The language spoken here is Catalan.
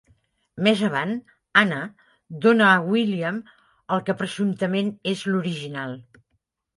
Més avant, Anna dóna a William el que presumptament és l'original.